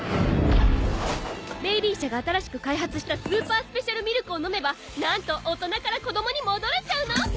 ベイビー社が新しく開発したスーパースペシャルミルクを飲めばなんと大人から子供に戻れちゃうの！